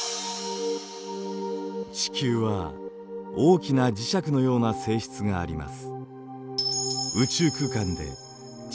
地球は大きな磁石のような性質があります。